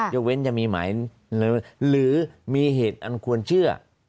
ยกเว้นจะมีหมายหรือมีเหตุอันควรเชื่อ